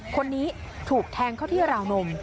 คนนี้ถูกแทงเข้าที่ราวนม